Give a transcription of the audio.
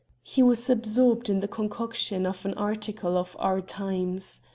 He was absorbed in the concoction of an article for "Our Times."